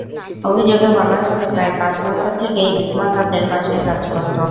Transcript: অভিযোগে বলা হয়েছে, প্রায় পাঁচ বছর থেকে ইসমা তাঁদের বাসায় কাজ করত।